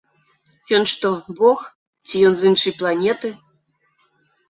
Ён што, бог, ці ён з іншай планеты?